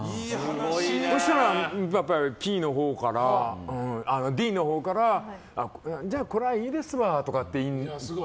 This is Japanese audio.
そうしたら、Ｄのほうからじゃあ、これはいいですわとかって。